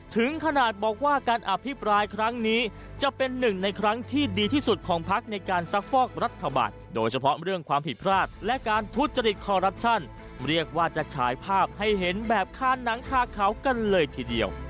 ถึงขนาดบอกว่าการอภิปรายครั้งนี้จะเป็นหนึ่งในครั้งที่ดีที่สุดของพักในการซักฟอกรัฐบาลโดยเฉพาะเรื่องความผิดพลาดและการทุจริตคอรัปชั่นเรียกว่าจะฉายภาพให้เห็นแบบค่าหนังคาเขากันเลยทีเดียว